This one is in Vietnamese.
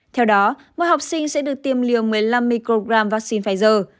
theo đó mỗi học sinh sẽ được tiêm liều một mươi năm microgram vaccine pfizer